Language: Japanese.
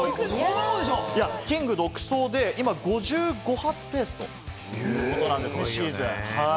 キング独走で今、５５発ペースということなんです、今シーズン。